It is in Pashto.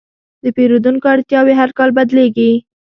د پیرودونکو اړتیاوې هر کال بدلېږي.